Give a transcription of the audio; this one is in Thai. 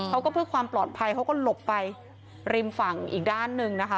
เขาก็เพื่อความปลอดภัยเขาก็หลบไปริมฝั่งอีกด้านหนึ่งนะคะ